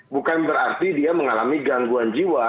bukan berarti dia mengalami gangguan jiwa